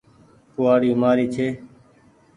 ڪوُوآڙي مآري ڇي ۔